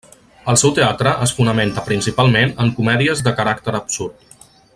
El seu teatre es fonamenta, principalment, en comèdies de caràcter absurd.